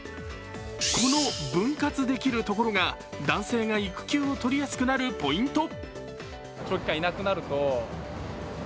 この分割できるところが男性が育休をとりやすくなるポイント。